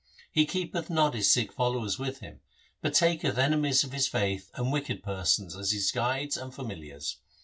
He keepeth not his Sikh followers with him, but taketh enemies of his faith and wicked persons as his guides and familiars.